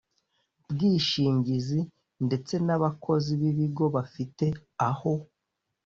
bwishingizi ndeste n abakozi b ibigo bafite aho